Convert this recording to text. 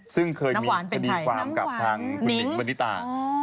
ซึ่งเคยเคยมีคดีความกับคุณนิ้งระดิษฐา